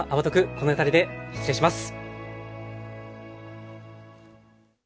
この辺りで失礼します。